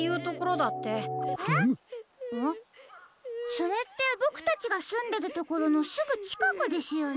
それってボクたちがすんでるところのすぐちかくですよね？